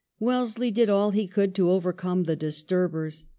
Wellesley did all he could to overcome the disturbers.